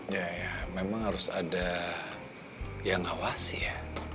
ya ya memang harus ada yang awasi ya